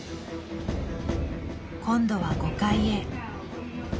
今度は５階へ。